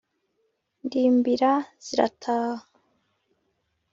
Ndimbira zirataha